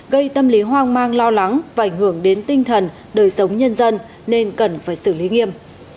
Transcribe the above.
gây tâm lý hoang mang lo lắng và ảnh hưởng đến tinh thần đời sống nhân dân nên cần phải xử lý nghiêm